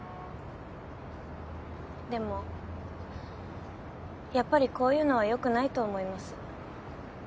でもやっぱりこういうのはよくないと思います。